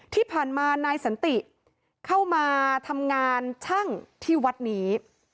ที่ผ่านมานายสันติเข้ามาทำงานช่างที่วัดนี้